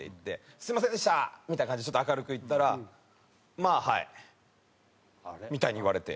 「すみませんでした！」みたいな感じで明るく言ったら「まあはい」みたいに言われて。